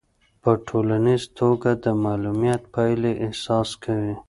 په ټولیزه توګه د معلوليت پايلې احساس کوي.